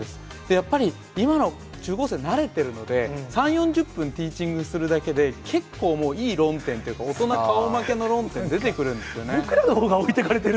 やっぱり今の中高生、慣れているので、３、４０分ティーチングするだけで、結構もういい論点というか、大人顔負けの論点、出てく僕らのほうが置いてかれてる。